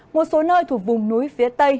một số nơi thuộc vùng núi phía tây